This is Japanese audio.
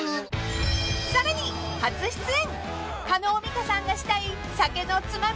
［さらに初出演］